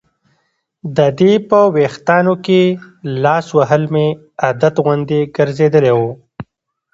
د دې په ویښتانو کې لاس وهل مې عادت غوندې ګرځېدلی و.